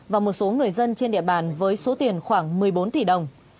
và một số người dân trên địa bàn với số tiền khoảng một mươi bốn tỷ đồng